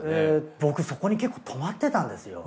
僕そこに結構泊まってたんですよ。